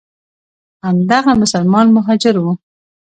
همدغه مسلمان مهاجر وو.